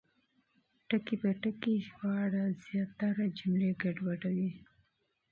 لفظي ژباړه اکثراً جملې ګډوډوي.